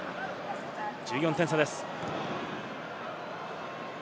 １４点差です。